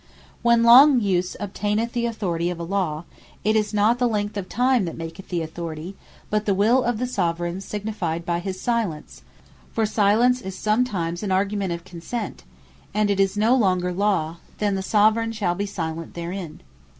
When long Use obtaineth the authority of a Law, it is not the Length of Time that maketh the Authority, but the Will of the Soveraign signified by his silence, (for Silence is sometimes an argument of Consent;) and it is no longer Law, then the Soveraign shall be silent therein.